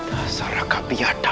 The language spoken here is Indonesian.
tak sarang kami ada